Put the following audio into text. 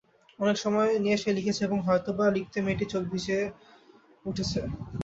অনেক সময় নিয়ে সে লিখেছে এবং হয়তো-বা লিখতে মেয়েটির চোখ ভিজে উঠেছে।